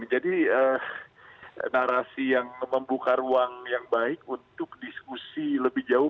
jadi narasi yang membuka ruang yang baik untuk diskusi lebih jauh